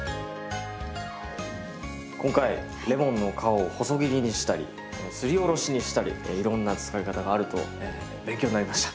今回レモンの皮を細切りにしたりすりおろしにしたりいろんな使い方があると勉強になりました。